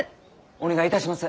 お願いいたします！